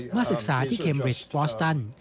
ว่าศึกษาที่เขมเบรีชอัลสตัน